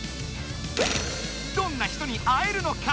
どんな人に会えるのか？